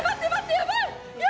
やばいよ！